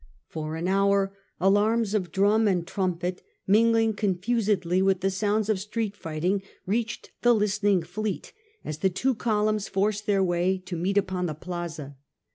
For an hour alarms of drum and trumpet mingling confusedly with the sounds of street fighting reached the listening fleet, as the two columns forced their way to meet upon the Plaza.